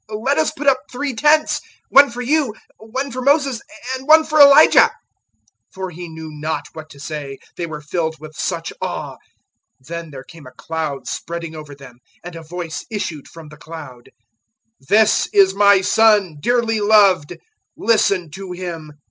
Let us put up three tents one for you, one for Moses, and one for Elijah." 009:006 For he knew not what to say: they were filled with such awe. 009:007 Then there came a cloud spreading over them, and a voice issued from the cloud, "This is my Son, dearly loved: listen to Him."